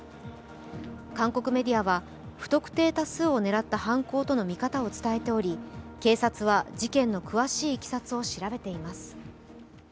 韓国メディアは、不特定多数を狙った犯行との見方を伝えており、警察は事件の詳しいいきさつを調べています。